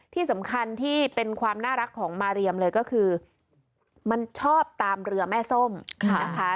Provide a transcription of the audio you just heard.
ที่สำคัญที่เป็นความน่ารักของมาเรียมเลยก็คือมันชอบตามเรือแม่ส้มนะคะ